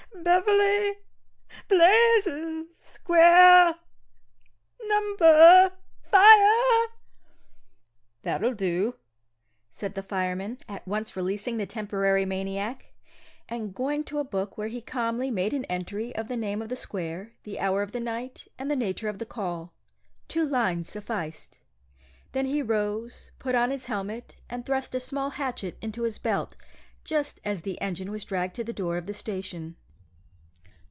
B ! B Beverly! blazes! square! number Fire!" "That'll do," said the fireman, at once releasing the temporary maniac, and going to a book where he calmly made an entry of the name of the square, the hour of the night, and the nature of the call. Two lines sufficed. Then he rose, put on his helmet, and thrust a small hatchet into his belt, just as the engine was dragged to the door of the station.